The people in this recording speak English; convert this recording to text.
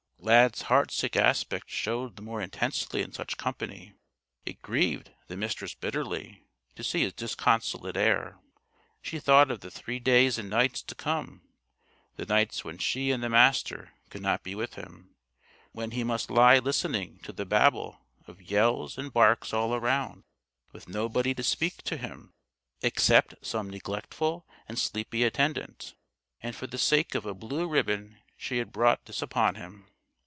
Lad's heartsick aspect showed the more intensely in such company. It grieved the Mistress bitterly to see his disconsolate air. She thought of the three days and nights to come the nights when she and the Master could not be with him, when he must lie listening to the babel of yells and barks all around, with nobody to speak to him except some neglectful and sleepy attendant. And for the sake of a blue ribbon she had brought this upon him!